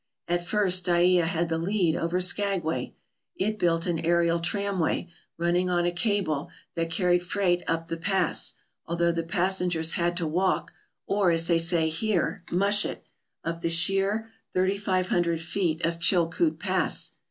At first Dyea had the lead over Skagway. It built an aerial tramway, running on a cable, that carried freight up the pass, although the passengers had to walk, or, as they say here, "mush it" 99 ALASKA OUR NORTHERN WONDERLAND up the sheer thirty five hundred feet of Chilkoot Pass.